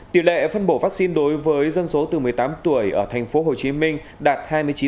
tỷ lệ phân bổ vaccine đối với dân số từ một mươi tám tuổi ở tp hcm đạt hai mươi chín